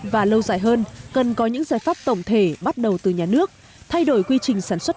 và lâu dài hơn cần có những giải pháp tổng thể bắt đầu từ nhà nước thay đổi quy trình sản xuất